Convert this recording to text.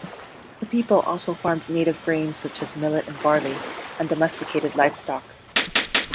The people also farmed native grains such as millet and barley, and domesticated livestock.